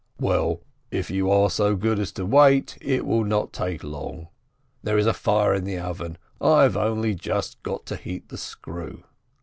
"Well, if you are so good as to wait, it will not take long. There is a fire in the oven, I have only just got to heat the screw."